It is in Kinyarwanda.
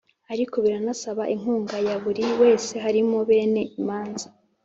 ariko biranasaba inkunga ya buri wese harimo bene imanza,